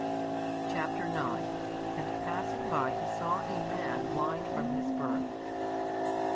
Chap. ix. And passing by He saw a man blind from his birth.